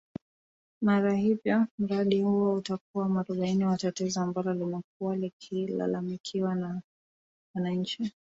Mara hivyo mradi huo utakuwa mwarobaini wa tatizo ambalo limekuwa likilalamikiwa na wananchi